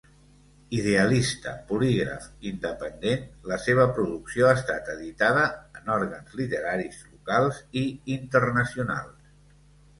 Idealista, polígraf independent, la seva producció ha estat editada en òrgans literaris locals i internacionals.